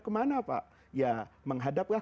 kemana pak ya menghadaplah